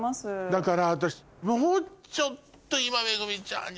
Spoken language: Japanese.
だから私もうちょっと今。